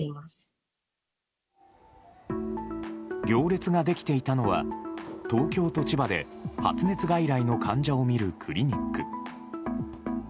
行列ができていたのは東京と千葉で発熱外来の患者を診るクリニック。